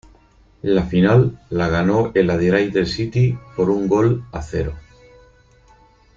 La final la ganó el Adelaide City, por un gol a cero.